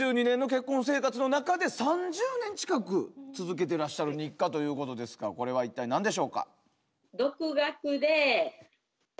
４２年の結婚生活の中で３０年近く続けてらっしゃる日課ということですがこれは一体何でしょうか？